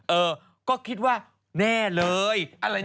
เออก็คิดว่าแน่เลย